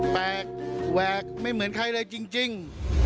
แปลกแหวกไม่เหมือนใครเลยจริง